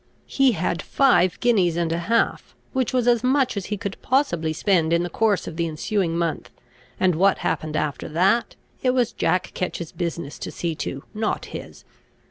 He had five guineas and a half, which was as much as he could possibly spend in the course of the ensuing month; and what happened after that, it was Jack Ketch's business to see to, not his.